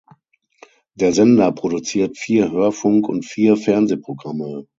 Der Sender produziert vier Hörfunk- und vier Fernsehprogramme.